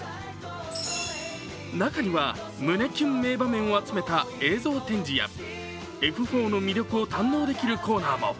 中には胸キュン名場面を集めた映像展示やＦ４の魅力を堪能できるコーナーも。